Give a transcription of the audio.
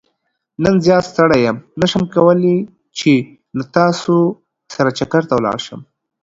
نن زيات ستړى يم نه شم کولاي چې له تاسو سره چکرته لاړ شم.